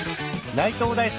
内藤大助